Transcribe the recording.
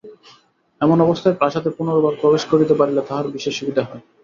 এমন অবস্থায় প্রাসাদে পুনর্বার প্রবেশ করিতে পারিলে তাঁহার বিশেষ সুবিধা হয়।